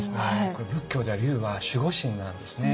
これ仏教では龍は守護神なんですね。